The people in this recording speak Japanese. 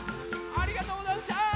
ありがとうござんした。